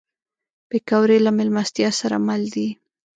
پکورې له میلمستیا سره مل دي